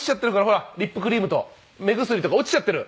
ほらリップクリームと目薬とか落ちちゃってる。